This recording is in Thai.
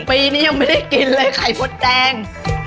ปีนี้ยังไม่ได้กินเลยไข่มดแดง